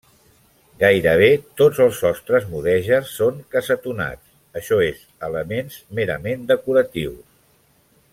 Gairebé tots els sostres mudèjars són cassetonats, això és, elements merament decoratius.